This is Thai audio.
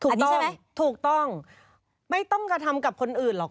ถูกต้องไหมถูกต้องไม่ต้องกระทำกับคนอื่นหรอก